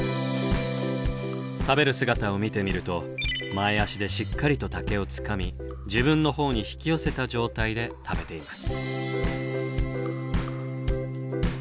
食べる姿を見てみると前足でしっかりと竹をつかみ自分の方に引き寄せた状態で食べています。